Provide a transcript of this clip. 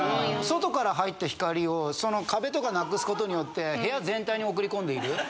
外から入った光を壁とかなくすことによって部屋全体に送り込んでいる？